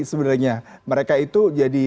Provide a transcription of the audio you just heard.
sebenarnya mereka itu jadi